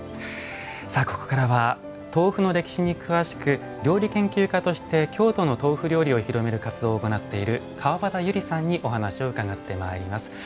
ここからは豆腐の歴史に詳しく料理研究家として京都の豆腐料理を広める活動を行っている川端友里さんにお話を伺ってまいります。